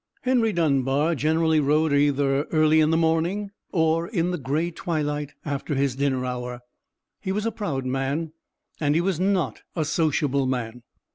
Henry Dunbar generally rode either early in the morning, or in the grey twilight after his dinner hour. He was a proud man, and he was not a sociable man.